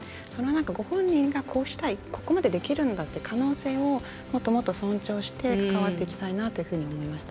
ご本人がこうしたいここまでできるんだって可能性をもっともっと尊重して関わっていきたいなと思いました。